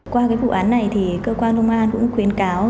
qua cái vụ án này thì cơ quan công an cũng khuyến cáo